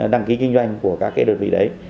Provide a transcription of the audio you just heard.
đăng ký kinh doanh của các đơn vị đấy